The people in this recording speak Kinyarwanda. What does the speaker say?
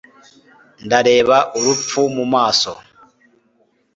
Ndareba urupfu mu maso